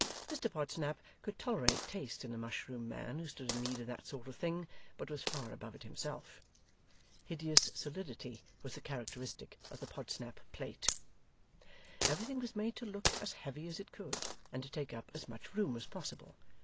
Mr Podsnap could tolerate taste in a mushroom man who stood in need of that sort of thing, but was far above it himself. Hideous solidity was the characteristic of the Podsnap plate. Everything was made to look as heavy as it could, and to take up as much room as possible.